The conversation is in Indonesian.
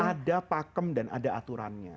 ada pakem dan ada aturannya